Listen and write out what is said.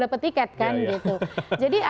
dapat tiket jadi